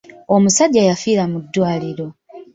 Omusajja yafiira mu ddwaliro.